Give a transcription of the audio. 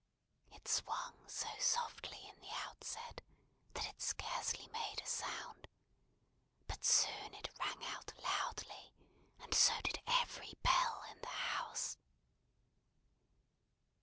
It swung so softly in the outset that it scarcely made a sound; but soon it rang out loudly, and so did every bell in the house.